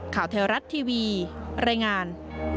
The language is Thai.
ข่าวไทยรัฐทีวีรายงาน